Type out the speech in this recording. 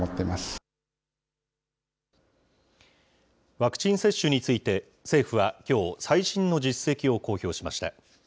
ワクチン接種について、政府はきょう、最新の実績を公表しました。